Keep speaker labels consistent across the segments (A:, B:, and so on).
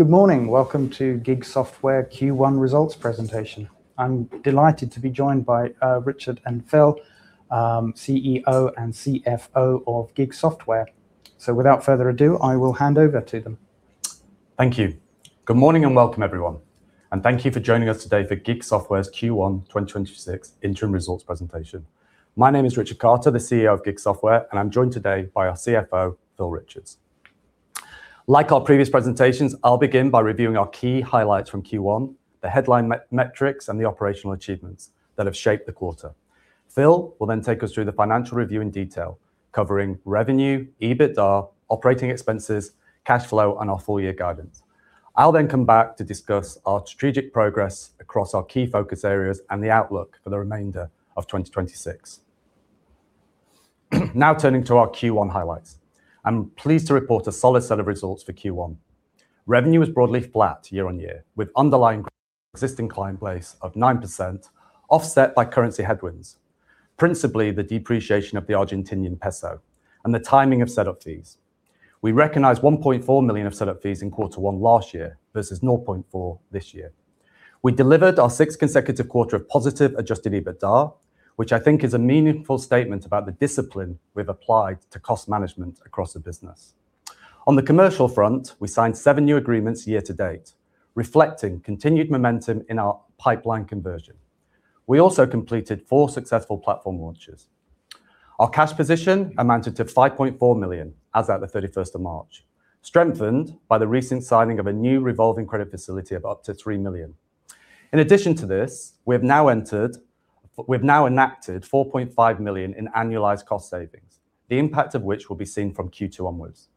A: Good morning. Welcome to GiG Software Q1 results presentation. I'm delighted to be joined by Richard and Phil, CEO and CFO of GiG Software. Without further ado, I will hand over to them.
B: Thank you. Good morning and welcome everyone, thank you for joining us today for GiG Software's Q1 2026 interim results presentation. My name is Richard Carter, the CEO of GiG Software, and I'm joined today by our CFO, Phil Richards. Like our previous presentations, I'll begin by reviewing our key highlights from Q1, the headline metrics, and the operational achievements that have shaped the quarter. Phil will then take us through the financial review in detail, covering revenue, EBITDA, operating expenses, cash flow, and our full year guidance. I'll then come back to discuss our strategic progress across our key focus areas and the outlook for the remainder of 2026. Turning to our Q1 highlights. I'm pleased to report a solid set of results for Q1. Revenue was broadly flat year-on-year, with underlying existing client base of 9% offset by currency headwinds, principally the depreciation of the Argentinian peso and the timing of setup fees. We recognized 1.4 million of setup fees in Q1 last year versus 0.4 million this year. We delivered our sixth consecutive quarter of positive adjusted EBITDA, which I think is a meaningful statement about the discipline we've applied to cost management across the business. On the commercial front, we signed seven new agreements year-to-date, reflecting continued momentum in our pipeline conversion. We also completed four successful platform launches. Our cash position amounted to 5.4 million as at the 31st of March, strengthened by the recent signing of a new revolving credit facility of up to 3 million. In addition to this, we've now enacted 4.5 million in annualized cost savings, the impact of which will be seen from Q2 onwards.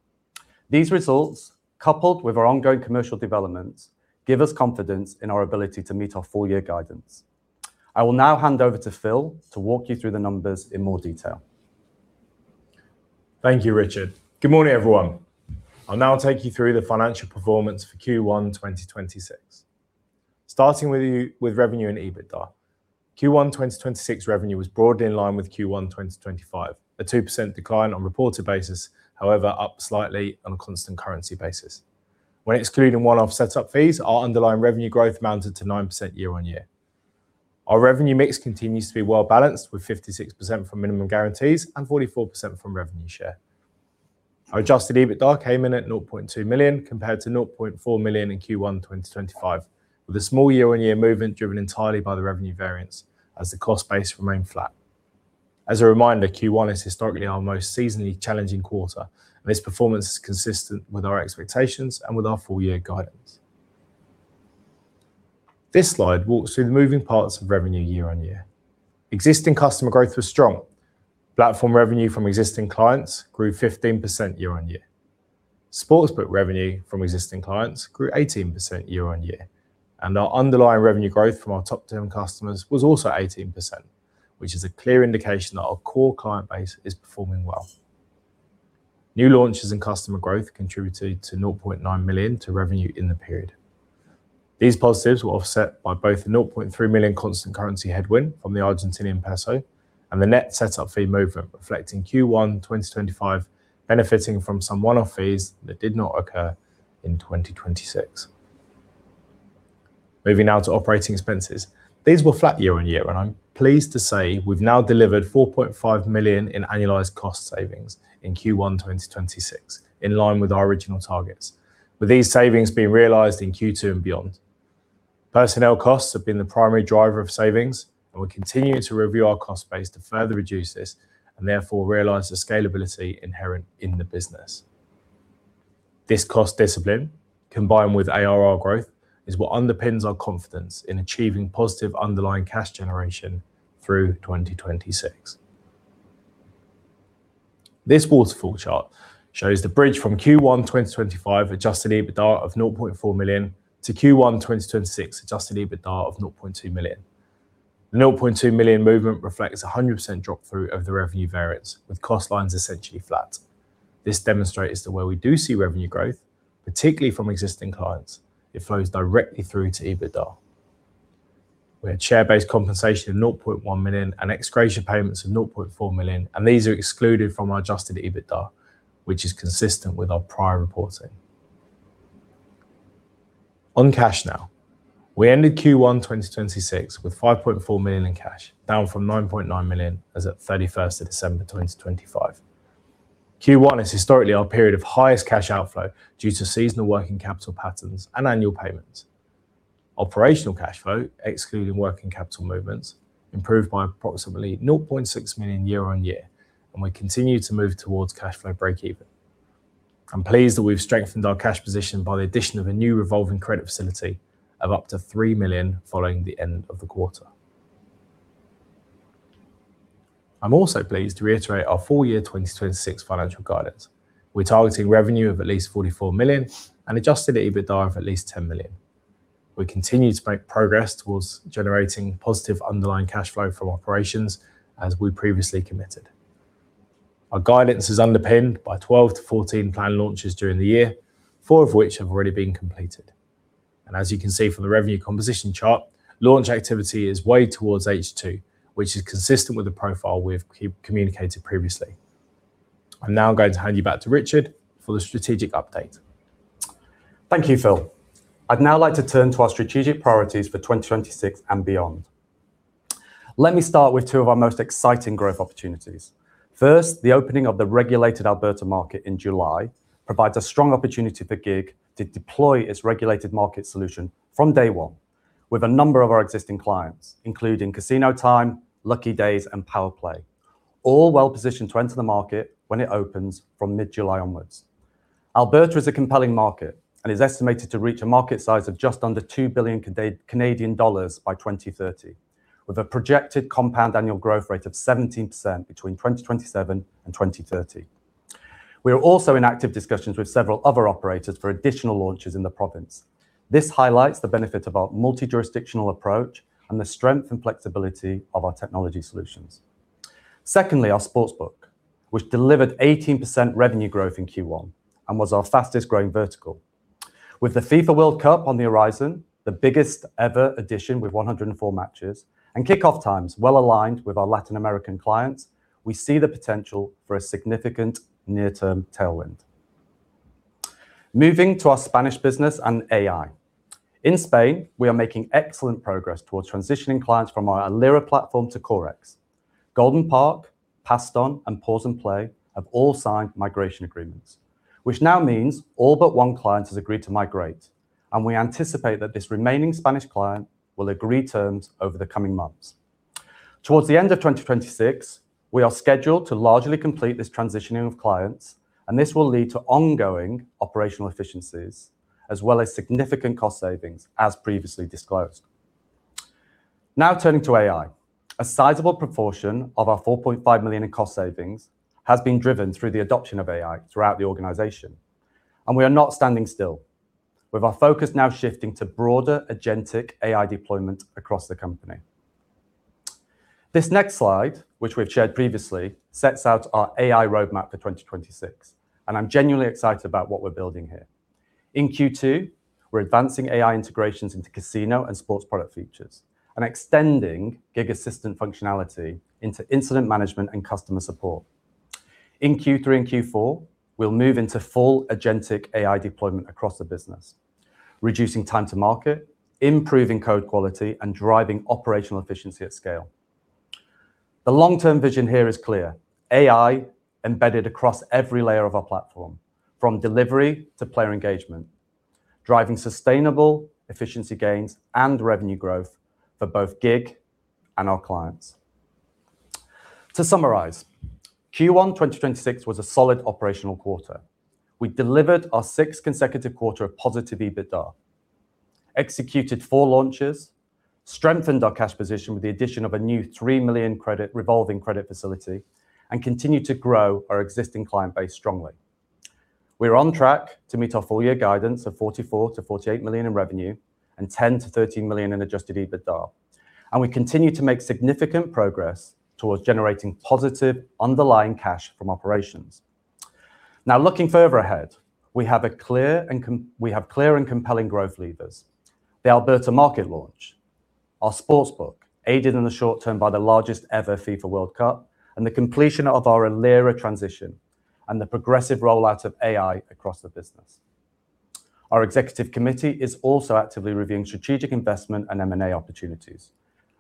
B: These results, coupled with our ongoing commercial developments, give us confidence in our ability to meet our full year guidance. I will now hand over to Phil to walk you through the numbers in more detail.
C: Thank you, Richard. Good morning, everyone. I'll now take you through the financial performance for Q1 2026. Starting with revenue and EBITDA. Q1 2026 revenue was broadly in line with Q1 2025, a 2% decline on reported basis, however, up slightly on a constant currency basis. When excluding one-off setup fees, our underlying revenue growth amounted to 9% year-on-year. Our revenue mix continues to be well-balanced, with 56% from minimum guarantees and 44% from revenue share. Our adjusted EBITDA came in at 0.2 million compared to 0.4 million in Q1 2025, with a small year-on-year movement driven entirely by the revenue variance as the cost base remained flat. As a reminder, Q1 is historically our most seasonally challenging quarter, and this performance is consistent with our expectations and with our full year guidance. This slide walks through the moving parts of revenue year-on-year. Existing customer growth was strong. Platform revenue from existing clients grew 15% year-over-year. Sportsbook revenue from existing clients grew 18% year-over-year, and our underlying revenue growth from our top 10 customers was also 18%, which is a clear indication that our core client base is performing well. New launches and customer growth contributed 0.9 million to revenue in the period. These positives were offset by both the 0.3 million constant currency headwind from the Argentinian peso and the net setup fee movement reflecting Q1 2025, benefiting from some one-off fees that did not occur in 2026. Moving now to operating expenses. These were flat year-over-year, and I'm pleased to say we've now delivered 4.5 million in annualized cost savings in Q1 2026, in line with our original targets, with these savings being realized in Q2 and beyond. Personnel costs have been the primary driver of savings, and we continue to review our cost base to further reduce this and therefore realize the scalability inherent in the business. This cost discipline, combined with ARR growth, is what underpins our confidence in achieving positive underlying cash generation through 2026. This waterfall chart shows the bridge from Q1 2025 adjusted EBITDA of 0.4 million to Q1 2026 adjusted EBITDA of 0.2 million. The 0.2 million movement reflects 100% drop through of the revenue variance, with cost lines essentially flat. This demonstrates that where we do see revenue growth, particularly from existing clients, it flows directly through to EBITDA. We had share-based compensation of 0.1 million and exceptional payments of 0.4 million, and these are excluded from our adjusted EBITDA, which is consistent with our prior reporting. On cash now. We ended Q1 2026 with 5.4 million in cash, down from 9.9 million as at 31st of December 2025. Q1 is historically our period of highest cash outflow due to seasonal working capital patterns and annual payments. Operational cash flow, excluding working capital movements, improved by approximately 0.6 million year-on-year, and we continue to move towards cash flow breakeven. I'm pleased that we've strengthened our cash position by the addition of a new revolving credit facility of up to 3 million following the end of the quarter. I'm also pleased to reiterate our full year 2026 financial guidance. We're targeting revenue of at least 44 million and adjusted EBITDA of at least 10 million. We continue to make progress towards generating positive underlying cash flow from operations as we previously committed. Our guidance is underpinned by 12-14 planned launches during the year, four of which have already been completed. As you can see from the revenue composition chart, launch activity is weighed towards H2, which is consistent with the profile we've communicated previously. I'm now going to hand you back to Richard for the strategic update.
B: Thank you, Phil. I'd now like to turn to our strategic priorities for 2026 and beyond. Let me start with two of our most exciting growth opportunities. First, the opening of the regulated Alberta market in July provides a strong opportunity for GiG to deploy its regulated market solution from day 1 with a number of our existing clients, including Casino Time, Lucky Days, and PowerPlay, all well-positioned to enter the market when it opens from mid-July onwards. Alberta is a compelling market and is estimated to reach a market size of just under 2 billion Canadian dollars by 2030, with a projected compound annual growth rate of 17% between 2027 and 2030. We are also in active discussions with several other operators for additional launches in the province. This highlights the benefit of our multi-jurisdictional approach and the strength and flexibility of our technology solutions. Secondly, our sportsbook, which delivered 18% revenue growth in Q1 and was our fastest-growing vertical. With the FIFA World Cup on the horizon, the biggest ever edition with 104 matches, and kickoff times well-aligned with our Latin American clients, we see the potential for a significant near-term tailwind. Moving to our Spanish business and AI. In Spain, we are making excellent progress towards transitioning clients from our GiG Alira platform to CoreX. GoldenPark, Pastón, and Pause&Play have all signed migration agreements, which now means all but one client has agreed to migrate, and we anticipate that this remaining Spanish client will agree terms over the coming months. Towards the end of 2026, we are scheduled to largely complete this transitioning of clients, and this will lead to ongoing operational efficiencies, as well as significant cost savings as previously disclosed. Now turning to AI. A sizable proportion of our 4.5 million in cost savings has been driven through the adoption of AI throughout the organization. We are not standing still. With our focus now shifting to broader agentic AI deployment across the company. This next slide, which we've shared previously, sets out our AI roadmap for 2026, and I'm genuinely excited about what we're building here. In Q2, we're advancing AI integrations into casino and sports product features and extending GiG Assistant functionality into incident management and customer support. In Q3 and Q4, we'll move into full agentic AI deployment across the business, reducing time to market, improving code quality, and driving operational efficiency at scale. The long-term vision here is clear: AI embedded across every layer of our platform, from delivery to player engagement, driving sustainable efficiency gains and revenue growth for both GiG and our clients. To summarize, Q1 2026 was a solid operational quarter. We delivered our sixth consecutive quarter of positive EBITDA, executed four launches, strengthened our cash position with the addition of a new 3 million revolving credit facility, continued to grow our existing client base strongly. We are on track to meet our full year guidance of 44 million-48 million in revenue and 10 million-13 million in adjusted EBITDA. We continue to make significant progress towards generating positive underlying cash from operations. Looking further ahead, we have clear and compelling growth levers. The Alberta market launch, our sportsbook, aided in the short term by the largest ever FIFA World Cup, and the completion of our GiG Alira transition and the progressive rollout of AI across the business. Our executive committee is also actively reviewing strategic investment and M&A opportunities.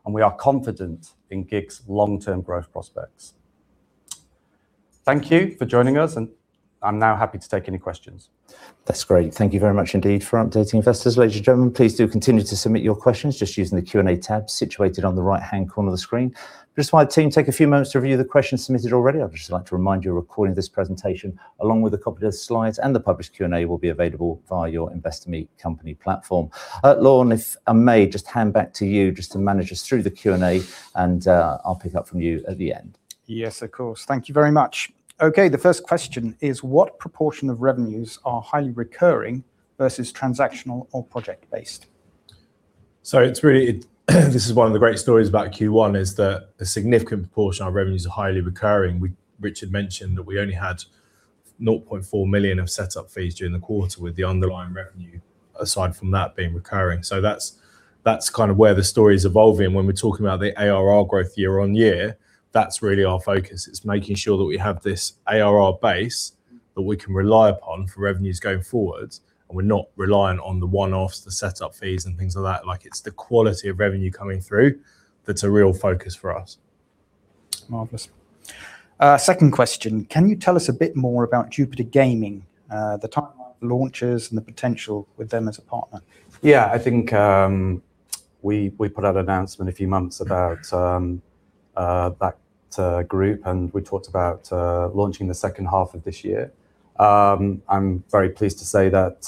B: We are confident in GiG's long-term growth prospects. Thank you for joining us, and I'm now happy to take any questions.
A: That's great. Thank you very much indeed for updating investors. Ladies and gentlemen, please do continue to submit your questions just using the Q&A tab situated on the right-hand corner of the screen. Just while the team take a few moments to review the questions submitted already, I'd just like to remind you a recording of this presentation, along with a copy of the slides and the published Q&A will be available via your Investor Meet Company platform. Lorne, if I may just hand back to you just to manage us through the Q&A, and I'll pick up from you at the end.
D: Yes, of course. Thank you very much. Okay, the first question is, what proportion of revenues are highly recurring versus transactional or project based?
C: This is one of the great stories about Q1, is that a significant proportion of revenues are highly recurring. Richard mentioned that we only had 0.4 million of setup fees during the quarter with the underlying revenue, aside from that being recurring. That's kind of where the story is evolving when we're talking about the ARR growth year-on-year. That's really our focus, is making sure that we have this ARR base that we can rely upon for revenues going forwards and we're not reliant on the one-offs, the setup fees, and things like that. It's the quality of revenue coming through that's a real focus for us.
D: Marvelous. Second question, can you tell us a bit more about Jupiter Gaming, the timeline of launches and the potential with them as a partner?
B: Yeah, I think we put out an announcement a few months about that group. We talked about launching the second half of this year. I'm very pleased to say that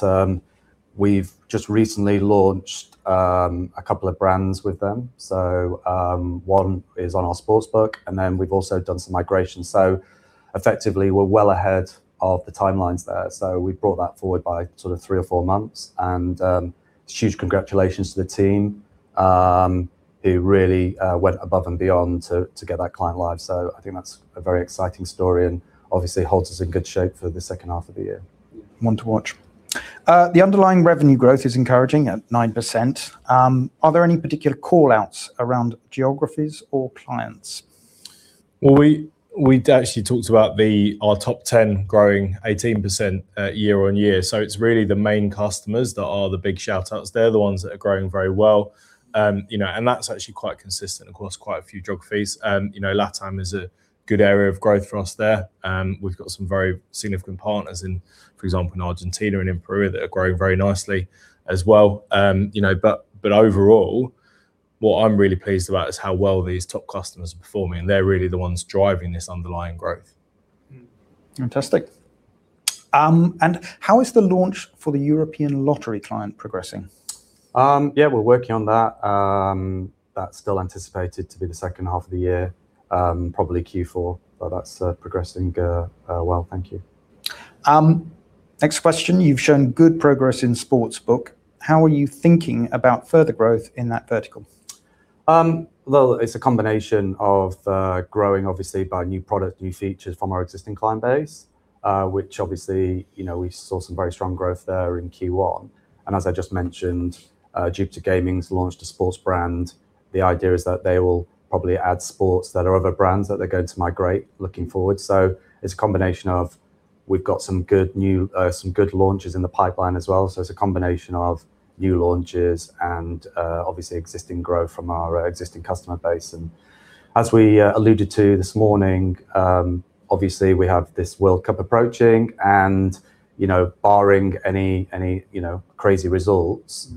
B: we've just recently launched a couple of brands with them. One is on our sportsbook. We've also done some migration. Effectively, we're well ahead of the timelines there. We brought that forward by sort of three or four months. Huge congratulations to the team, who really went above and beyond to get that client live. I think that's a very exciting story and obviously holds us in good shape for the second half of the year.
D: One to watch. The underlying revenue growth is encouraging at 9%. Are there any particular call-outs around geographies or clients?
B: Well, we actually talked about our top 10 growing 18% year-on-year, it's really the main customers that are the big shout-outs. They're the ones that are growing very well. That's actually quite consistent across quite a few geographies. LatAm is a good area of growth for us there. We've got some very significant partners, for example, in Argentina and Peru that are growing very nicely as well. Overall, what I'm really pleased about is how well these top customers are performing. They're really the ones driving this underlying growth.
D: Fantastic. How is the launch for the European lottery client progressing?
B: Yeah, we're working on that. That's still anticipated to be the second half of the year, probably Q4, but that's progressing well. Thank you.
D: Next question. You've shown good progress in sportsbook. How are you thinking about further growth in that vertical?
B: Well, it's a combination of growing obviously by new product, new features from our existing client base, which obviously, we saw some very strong growth there in Q1. As I just mentioned, Jupiter Gaming's launched a sports brand. The idea is that they will probably add sports that are other brands that they're going to migrate looking forward. It's a combination of, we've got some good launches in the pipeline as well. It's a combination of new launches and obviously existing growth from our existing customer base. As we alluded to this morning, obviously we have this World Cup approaching and barring any crazy results,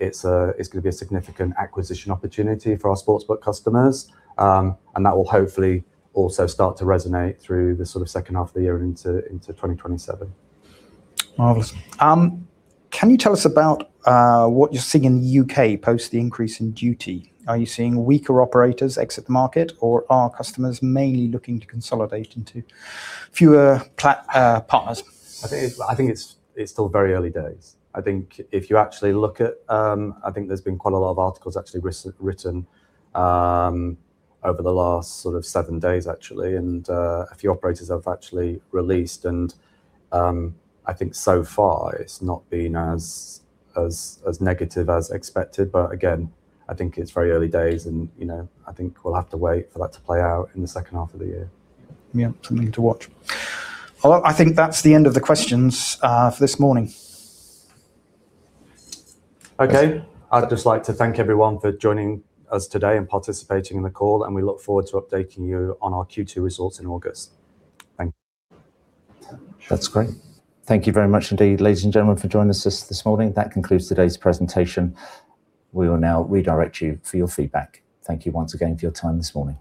B: it's going to be a significant acquisition opportunity for our sportsbook customers. That will hopefully also start to resonate through the sort of second half of the year and into 2027.
D: Marvelous. Can you tell us about what you're seeing in the U.K. post the increase in duty? Are you seeing weaker operators exit the market, or are customers mainly looking to consolidate into fewer partners?
B: I think it's still very early days. I think there's been quite a lot of articles actually written over the last sort of seven days, actually. A few operators have actually released. I think so far it's not been as negative as expected. Again, I think it's very early days. I think we'll have to wait for that to play out in the second half of the year.
D: Yeah. Something to watch. Well, I think that's the end of the questions for this morning.
B: Okay. I'd just like to thank everyone for joining us today and participating in the call, and we look forward to updating you on our Q2 results in August. Thank you.
A: That's great. Thank you very much indeed, ladies and gentlemen, for joining us this morning. That concludes today's presentation. We will now redirect you for your feedback. Thank you once again for your time this morning.